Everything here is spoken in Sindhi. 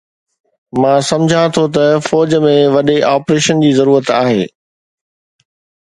مان سمجهان ٿو ته فوج ۾ وڏي آپريشن جي ضرورت آهي